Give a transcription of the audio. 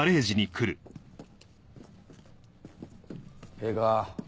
ええか？